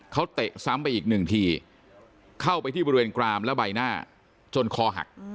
เขาเตะซ้ำไปอีกหนึ่งทีเข้าไปที่บริเวณกรามและใบหน้าจนคอหัก